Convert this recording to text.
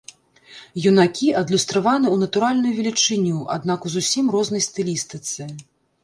Юнакі адлюстраваны ў натуральную велічыню, аднак у зусім рознай стылістыцы.